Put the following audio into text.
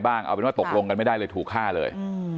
อ่าวเราบอกว่าตกลงไม่ได้เลยถูกฆ่าเลย